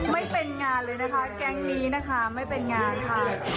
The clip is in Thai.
ไม่เป็นงานเลยนะคะแก๊งนี้นะคะไม่เป็นงานค่ะ